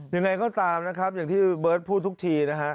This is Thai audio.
ยังไงก็ตามนะครับอย่างที่เบิร์ตพูดทุกทีนะฮะ